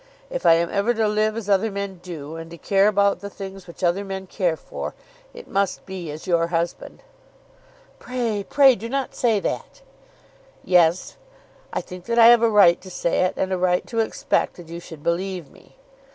If I am ever to live as other men do, and to care about the things which other men care for, it must be as your husband." "Pray, pray do not say that." "Yes; I think that I have a right to say it, and a right to expect that you should believe me.